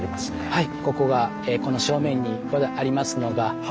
はい。